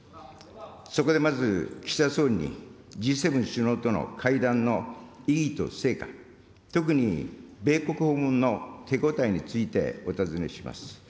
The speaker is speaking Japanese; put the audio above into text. そこでまず、岸田総理にＧ７首脳との会談の意義と成果、特に米国訪問の手応えについてお尋ねします。